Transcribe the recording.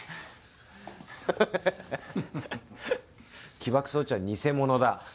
起爆装置は偽物だ。